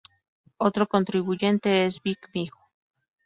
Otro contribuyente es Big Mijo.